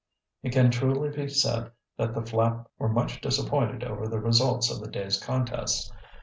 It can truly be said that the Flapp crowd were much disappointed over the results of the day's contests.